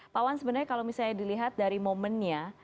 pak wan sebenarnya kalau misalnya dilihat dari momennya